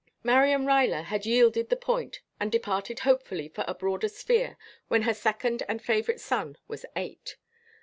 Marian Ruyler had yielded the point and departed hopefully for a broader sphere when her second and favorite son was eight.